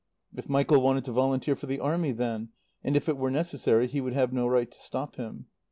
If Michael wanted to volunteer for the Army then, and if it were necessary, he would have no right to stop him.